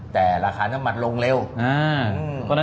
แต่ราคาน้ำมันลงเร็ว